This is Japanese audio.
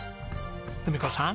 郁子さん